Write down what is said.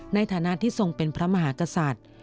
ในฐานะที่ทรงเป็นพระมหากษัตริย์